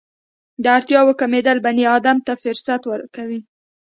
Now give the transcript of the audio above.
د اړتیاوو کمېدل بني ادم ته فرصت ورکوي.